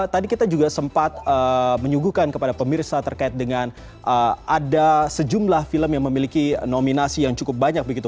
tadi kita juga sempat menyuguhkan kepada pemirsa terkait dengan ada sejumlah film yang memiliki nominasi yang cukup banyak begitu